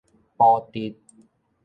埔直